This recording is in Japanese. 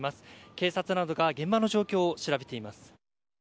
警察などが現場の状況を調べています。